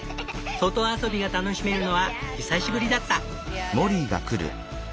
外遊びが楽しめるのは久しぶりだった。